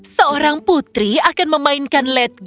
seorang putri akan memainkan letgu